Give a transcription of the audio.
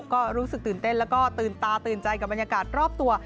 ก็รู้สึกตื่นเต้นแล้วก็ตื่นตาตื่นใจกับบรรยากาศรอบตัว